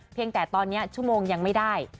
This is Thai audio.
แต่ตอนนี้ชั่วโมงยังไม่ได้